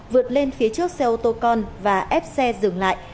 vượt lên phía trước xe ô tô con và ép xe dừng lại